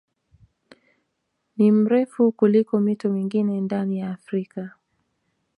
Ni mrefu kuliko mito mingine ndani ya Afrika